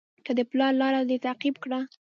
که د پلار لاره دې تعقیب کړه.